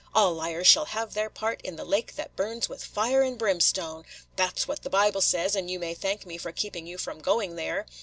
'All liars shall have their part in the lake that burns with fire and brimstone.' – that 's what the Bible says; and you may thank me for keeping you from going there.